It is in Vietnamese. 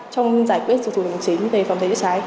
trong giải quyết thủ tục hành chính về phòng cháy chữa cháy